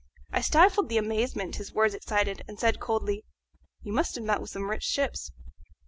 I stifled the amazement his words excited, and said coldly, "You must have met with some rich ships."